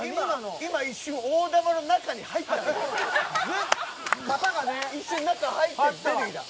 今一瞬、大玉の中に入ったよ。